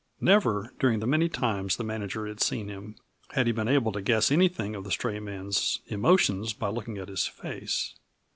Never, during the many times the manager had seen him, had he been able to guess anything of the stray man's emotions by looking at his face.